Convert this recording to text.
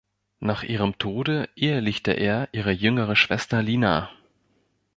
Nach ihrem Tode ehelichte er ihre jüngere Schwester Lina.